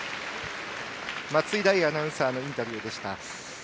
松井大アナウンサーのインタビューでした。